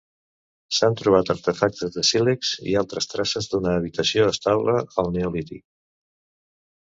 S'han trobat artefactes de sílex i altres traces d'una habitació estable al neolític.